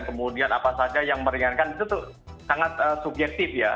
kemudian apa saja yang meringankan itu sangat subjektif ya